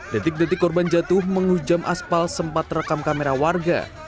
detik detik korban jatuh menghujam aspal sempat rekam kamera warga